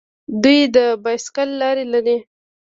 دوی د بایسکل لارې لري.